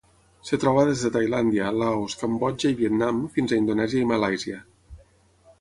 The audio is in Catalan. Es troba des de Tailàndia, Laos, Cambodja i Vietnam fins a Indonèsia i Malàisia.